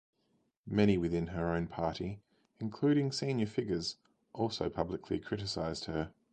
Many within her own party, including senior figures, also publicly criticised her.